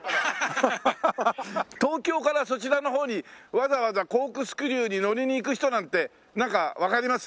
東京からそちらのほうにわざわざコークスクリューに乗りに行く人なんてなんかわかります？